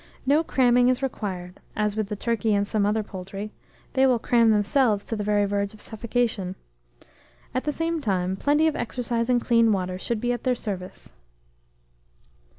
No cramming is required, as with the turkey and some other poultry: they will cram themselves to the very verge of suffocation. At the same time, plenty of exercise and clean water should be at their service.